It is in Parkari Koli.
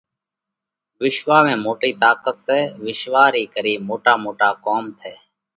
وِسواه ۾ موٽئِي طاقت سئہ۔ وِسواه ري ڪري موٽا موٽا ڪوم ٿئه